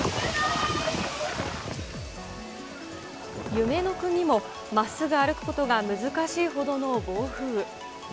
夢の国もまっすぐ歩くことが難しいほどの暴風。